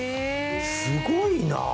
すごいなあ。